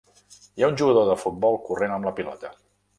Hi ha un jugador de futbol corrent amb la pilota.